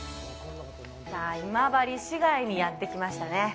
さあ、今治市街にやってきましたね。